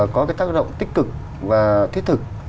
có cái tác động tích cực và thiết thực